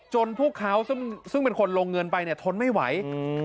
จนพวกเขาซึ่งเป็นคนลงเงินไปทนไม่ไหว